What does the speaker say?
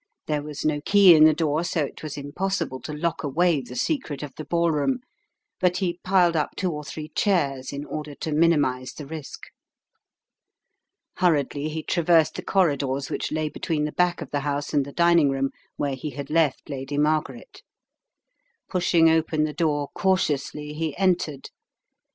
There was no key in the door, so it was impossible to lock away the secret of the ball The Home Coming 25 room, but he piled up two or three chairs in order to minimize the risk. Hurriedly he traversed the corridors which lay between the back of the house and the dining room where he had left Lady Margaret. Pushing open the door cautiously, he entered.